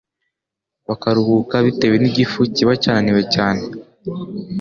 bakaruhuka bitewe n’igifu kiba cyananiwe cyane.